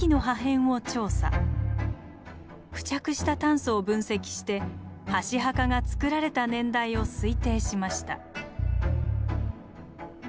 付着した炭素を分析して箸墓がつくられた年代を推定しました。